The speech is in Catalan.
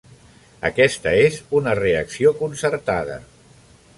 Aquesta és una reacció concertada.